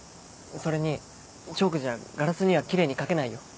それにチョークじゃガラスにはキレイに描けないよ。